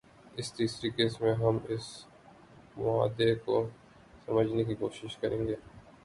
اس تیسری قسط میں ہم اس معاہدے کو سمجھنے کی کوشش کریں گے